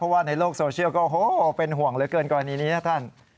ว่าในโลกโซเชียลก็เป็นห่วงเหลือเกินกรณีนี้นะท่าน